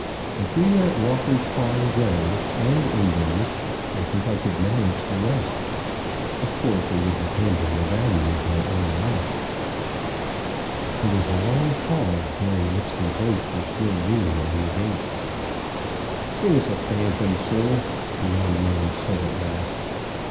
If we let Walker's farm go, and Ingram's, I think I could manage the rest. Of course it would depend on the value of my own life." There was a long pause, during which they both were still leaning on the gate. "It is a phantom, sir!" the young man said at last.